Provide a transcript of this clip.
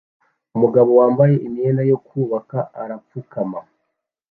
Umugabo wambaye imyenda yo kubaka arapfukama